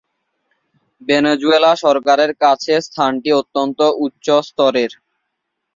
Venezuela সরকারের কাছে স্থানটি অত্যন্ত উচ্চস্তরের।